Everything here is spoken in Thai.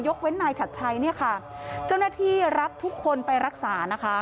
ยกเว้นนายฉัดใช้เจ้าหน้าที่รับทุกคนไปรักษา